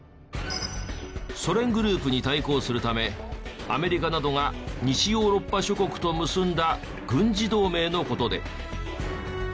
ソ連グループに対抗するためアメリカなどが西ヨーロッパ諸国と結んだ軍事同盟の事で。